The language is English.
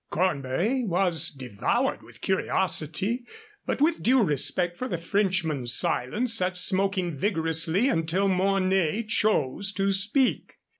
Cornbury was devoured with curiosity, but with due respect for the Frenchman's silence sat smoking vigorously until Mornay chose to speak.